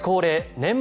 年末